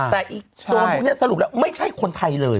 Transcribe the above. แต่อีกโจรพวกนี้สรุปแล้วไม่ใช่คนไทยเลย